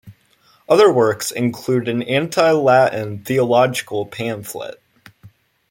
Other works include an anti-Latin theological pamphlet.